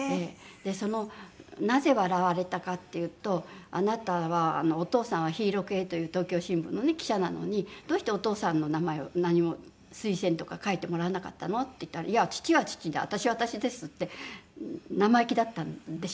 でそのなぜ笑われたかっていうと「あなたはお父さんは日色恵という『東京新聞』の記者なのにどうしてお父さんの名前を何も推薦とか書いてもらわなかったの？」って言ったら「いや父は父で私は私です」って生意気だったんでしょうね。